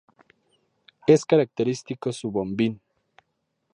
Es característico su bombín.